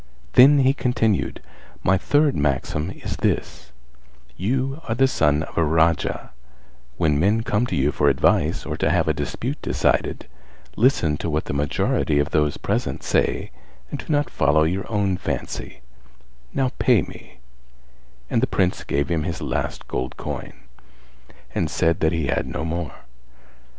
Then he continued, "My third maxim is this: You are the son of a Raja; when men come to you for advice or to have a dispute decided, listen to what the majority of those present say and do not follow your own fancy, now pay me;" and the Prince gave him his last gold coin, and said that he had no more.